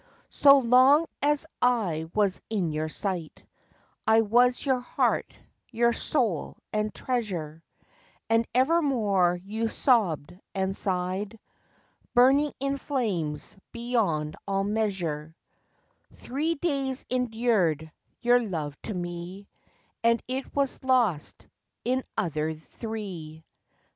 So long as I was in your sight I was your heart, your soul, and treasure; And evermore you sobb'd and sigh'd Burning in flames beyond all measure: Three days endured your love to me, And it was lost in other three!